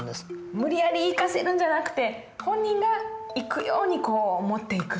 無理やり行かせるんじゃなくて本人が行くようにこう持っていくと。